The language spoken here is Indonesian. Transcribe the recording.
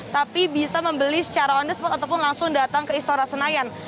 tapi bisa membeli secara on the spot ataupun langsung datang ke istora senayan